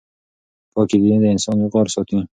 پاکي د انسان وقار ساتي.